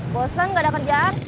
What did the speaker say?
bosan gak ada kerjaan